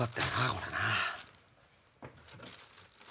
これな。